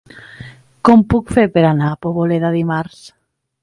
Com ho puc fer per anar a Poboleda dimarts?